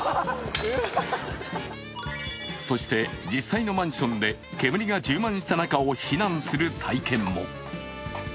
そして、実際のマンションで煙が充満した中を避難する体験も。